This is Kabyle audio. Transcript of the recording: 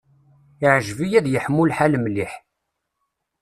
Iεǧeb-iyi ad yeḥmu lḥal mliḥ.